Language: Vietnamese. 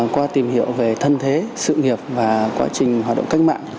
qua tìm hiểu về thân thế sự nghiệp và quá trình hoạt động cách mạng